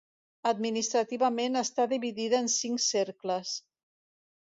Administrativament està dividida en cinc cercles.